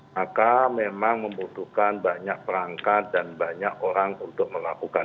maka memang membutuhkan banyak perangkat dan banyak orang untuk melakukan